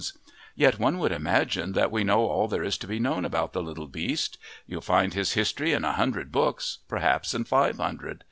Yet one would imagine that we know all there is to be known about the little beast; you'll find his history in a hundred books perhaps in five hundred.